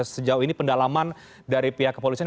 sejauh ini pendalaman dari pihak kepolisian